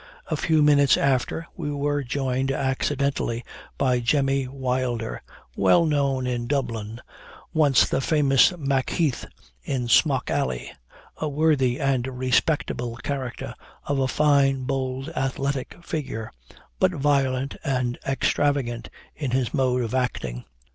A few minutes after, we were joined accidentally by Jemmy Wilder, well known in Dublin once the famous Macheath, in Smock Alley a worthy and respectable character, of a fine, bold, athletic figure, but violent and extravagant in his mode of acting.